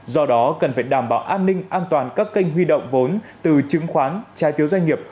do đó cần phải đảm bảo an ninh an toàn các kênh huy động vốn từ chứng khoán trái phiếu doanh nghiệp